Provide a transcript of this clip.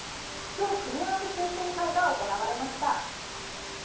今日、組み合わせ抽選会が行われました。